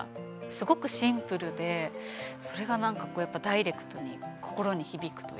すごくシンプルで、それがなんかダイレクトに心に響くというか。